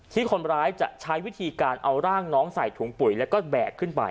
ที่คนร้ายจะใช้วิธีการเอาร่างน้องใส่ถุงปุ๋ยแล้วก็แบกขึ้นไป